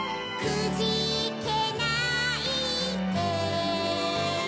くじけないで